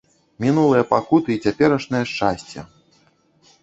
Мінулыя пакуты і цяперашняе шчасце!